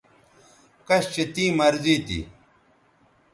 کش چہ تیں مرضی تھی